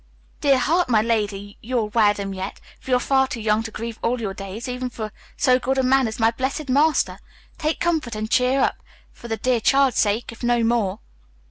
"Dear heart, my lady, you'll wear them yet, for you're too young to grieve all your days, even for so good a man as my blessed master. Take comfort, and cheer up, for the dear child's sake if no more."